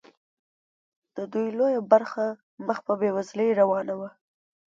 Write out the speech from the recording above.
د دوی لویه برخه مخ په بیوزلۍ روانه وه.